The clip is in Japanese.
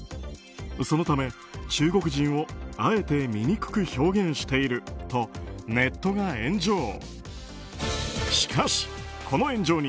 そのため中国人をあえて醜く表現しているとネットが炎上。